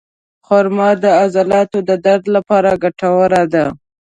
خرما د عضلاتو د درد لپاره ګټوره ده.